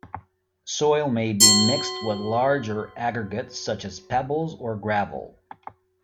Soil may be mixed with larger aggregate, such as pebbles or gravel.